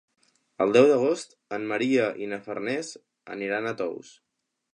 El deu d'agost en Maria i na Farners aniran a Tous.